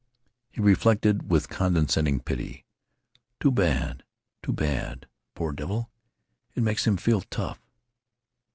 He reflected, with condescending pity: "Too bad! Too bad! The poor devil, it makes him feel tough!"